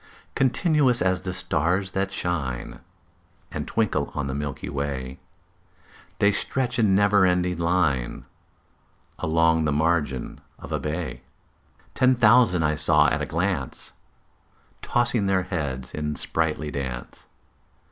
Continuous as the stars that shine And twinkle on the milky way, The stretched in never ending line Along the margin of a bay: Ten thousand saw I at a glance, Tossing their heads in sprightly dance.